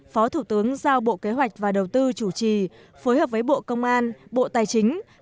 phó thủ tướng giao bộ kế hoạch và đầu tư chủ trì phối hợp với bộ công an bộ tài chính